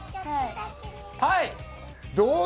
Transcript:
はい！